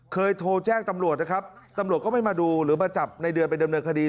เคยโทรแจ้งตำรวจนะครับตำรวจก็ไม่มาดูหรือมาจับในเดือนไปดำเนินคดี